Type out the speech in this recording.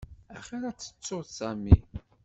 Axir ad tettuḍ Sami.